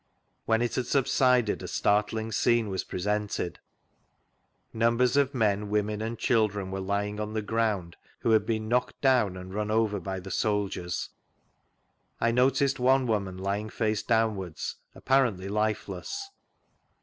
When it had subsided a startling scette was fn^sented. Numbers ol men, women, and children were lying on the ground who had been knocked down and run over by the soldiers. I noticed one woman lying face down wards, apparently lifeless.